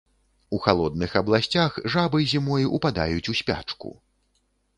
У халодных абласцях жабы зімой ўпадаюць у спячку.